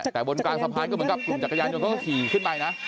แต่บนกลางสะพานก็เหมือนกับกลุ่มจักรยานยนต์เขาก็ขี่ขึ้นไปนะ